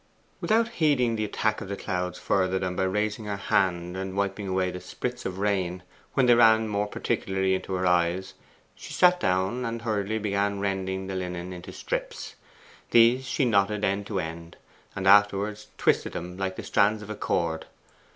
Without heeding the attack of the clouds further than by raising her hand and wiping away the spirts of rain when they went more particularly into her eyes, she sat down and hurriedly began rending the linen into strips. These she knotted end to end, and afterwards twisted them like the strands of a cord.